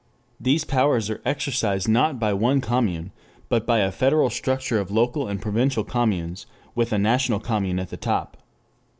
These powers are exercised not by one commune, but by a federal structure of local and provincial communes with a National commune at the top.